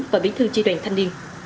và bí thư chi đoàn thanh niên